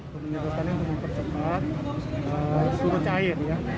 penyedotan yang perlu dipercepat surut air ya